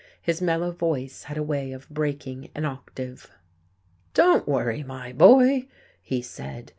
His mellow voice had a way of breaking an octave. "Don't worry, my boy," he said.